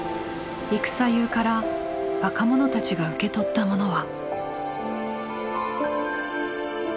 「戦世」から若者たちが受け取ったものは。